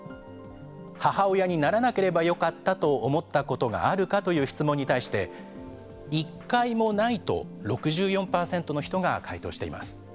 母親にならなければよかったと思ったことがあるかという質問に対して、１回もないと６４％の人が回答しています。